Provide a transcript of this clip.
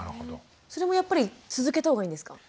それもやっぱり続けた方がいいんですか？